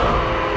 aku mau lihat